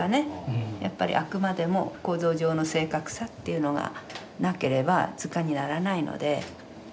やっぱりあくまでも構造上の正確さというのがなければ図鑑にならないので。